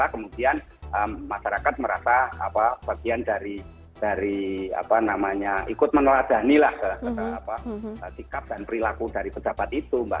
kemudian masyarakat merasa bagian dari ikut meneladani lah sikap dan perilaku dari pejabat itu mbak